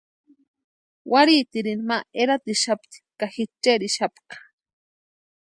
Warhiitirini ma eratixapti ka ji cherhixapka.